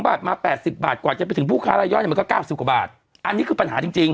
๗๒บาทมา๘๐บาทกว่าจะไปถึงผู้ค้ารายย้อย